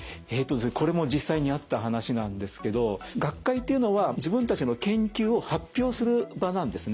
これも実際にあった話なんですけど学会というのは自分たちの研究を発表する場なんですね。